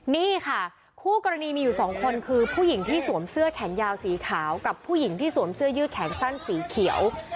นี่ค่ะคู่กรณีมีอยู่สองคนคือผู้หญิงที่สวมเสื้อแขนยาวสีขาวกับผู้หญิงที่สวมเสื้อยืดแขนสั้นสีเขียว